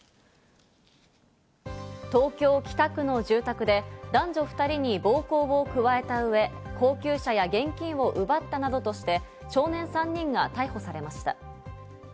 東京・北区の住宅で男女２人に暴行を加えたうえ、高級車や現金を奪ったなどとして、少年３人が逮捕されました。